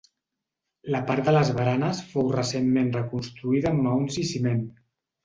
La part de les baranes fou recentment reconstruïda amb maons i ciment.